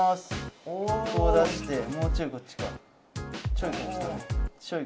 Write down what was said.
こう出してもうちょいこっちか。